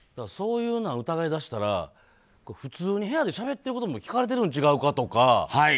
そういうのを疑い出したら普通に部屋でしゃべってることも聞かれているん違うかとか。